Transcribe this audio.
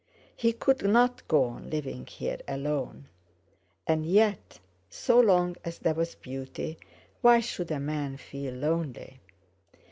He could not go on living here alone. And yet, so long as there was beauty, why should a man feel lonely?